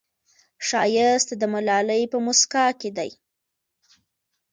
ښایست د ملالې په موسکا کې دی